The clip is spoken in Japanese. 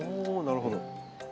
おなるほど。